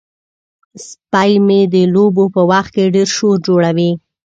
سپی مې د لوبو په وخت کې ډیر شور جوړوي.